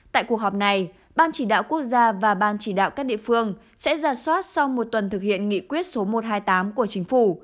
tại cuộc họp này ban chỉ đạo quốc gia và ban chỉ đạo các địa phương sẽ ra soát sau một tuần thực hiện nghị quyết số một trăm hai mươi tám của chính phủ